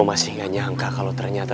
gue masih gak nyangka kalo ternyata